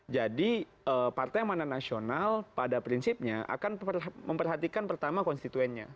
jadi partai mana nasional pada prinsipnya akan memperhatikan pertama konstituennya